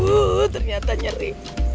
uh ternyata nyeri